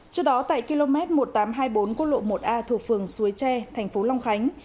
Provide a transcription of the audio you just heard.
trước đó tại km một nghìn tám trăm hai mươi bốn quốc lộ một a thuộc phường suối tre thành phố long khánh